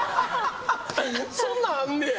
そんなんあんねや。